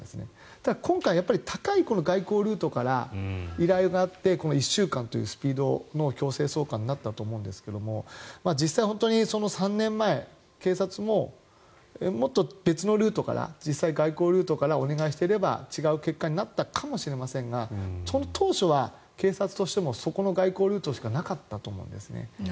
ただ、今回、高い外交ルートから依頼があって１週間というスピードの強制送還になったと思うんですけど実際、３年前警察も、もっと別のルートから実際、外交ルートからお願いしていれば違う結果になったかもしれませんがその当初は警察としてもそこの外交ルートしかなかったと思うんですね。